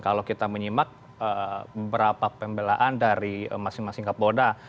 kalau kita menyimak berapa pembelaan dari masing masing kapolda